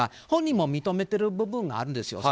本人も認めている部分があります。